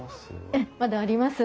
ええまだあります。